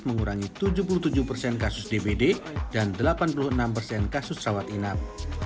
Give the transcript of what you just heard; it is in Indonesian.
mengurangi tujuh puluh tujuh persen kasus dbd dan delapan puluh enam persen kasus sawat inap